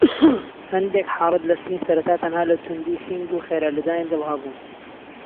هەندێک حاڵەت لە سین سەرەتا تەنها لە توندی سینگ و خێرا لێدانی دڵ هەبوون.